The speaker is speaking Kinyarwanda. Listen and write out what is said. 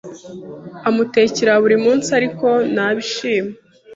Amutekera buri munsi, ariko ntabishima.